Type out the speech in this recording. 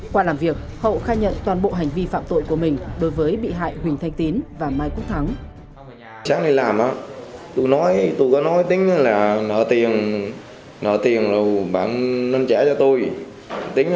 qua làm việc hậu khai nhận toàn bộ hành vi phạm tội của mình đối với bị hại huỳnh thanh tín và mai quốc thắng